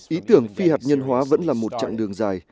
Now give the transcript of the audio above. ý tưởng phi hạt nhân hóa vẫn là một chặng đường dài